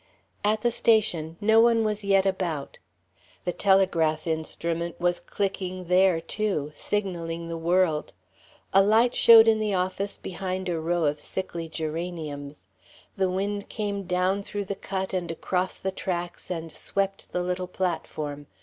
At the station, no one was yet about. The telegraph instrument was clicking there, too, signaling the world; a light showed in the office behind a row of sickly geraniums; the wind came down through the cut and across the tracks and swept the little platform.